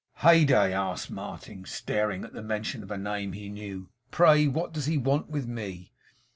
'Heyday!' asked Martin, starting at the mention of a name he knew. 'Pray, what does he want with me?